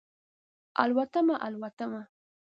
الوتمه، الوتمه